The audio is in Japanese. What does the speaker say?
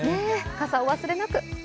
傘をお忘れなく。